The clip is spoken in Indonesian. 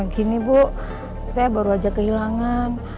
gini bu saya baru aja kehilangan